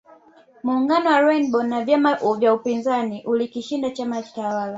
Muungano wa Rainbow wa vyama vya upinzani ulikishinda chama tawala